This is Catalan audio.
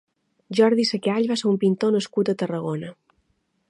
Jordi Secall va ser un pintor nascut a Tarragona.